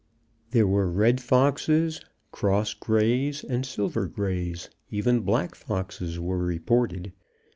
There were red foxes, "cross grays," and "silver grays;" even black foxes were reported.